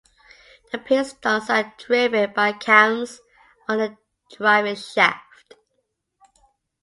The pistons are driven by cams on the driving shaft.